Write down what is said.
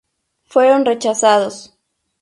Fueron rechazados.